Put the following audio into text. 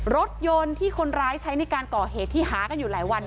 รถยนต์ที่คนร้ายใช้ในการก่อเหตุที่หากันอยู่หลายวัน